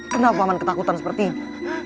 kenapa paman ketakutan seperti ini